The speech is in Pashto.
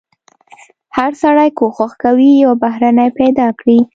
هر سړی کوښښ کوي یو بهرنی پیدا کړي.